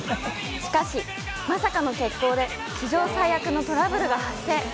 しかし、まさかの欠航で史上最悪のトラブルが発生。